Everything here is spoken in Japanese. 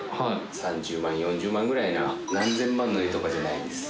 ３０万４０万ぐらいな何千万とかの絵じゃないです。